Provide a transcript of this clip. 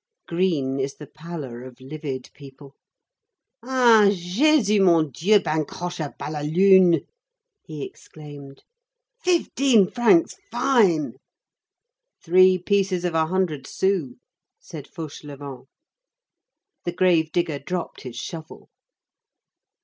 Green is the pallor of livid people. "Ah! Jésus mon Dieu bancroche à bas la lune!"17 he exclaimed. "Fifteen francs fine!" "Three pieces of a hundred sous," said Fauchelevent. The grave digger dropped his shovel.